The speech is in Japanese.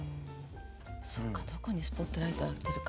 そっかどこにスポットライトを当てるか。